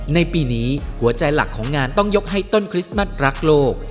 ในปีนี้หัวใจหลักของงานต้องยกให้ต้นคริสต์มัสรักโลก